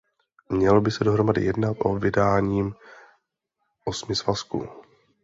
Mělo by se dohromady jednat o vydáním osmi svazků.